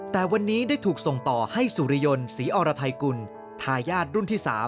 แต่วันนี้ได้ถูกส่งต่อให้สุริยนต์ศรีอรไทยกุลทายาทรุ่นที่๓